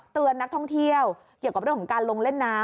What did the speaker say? นักท่องเที่ยวเกี่ยวกับเรื่องของการลงเล่นน้ำ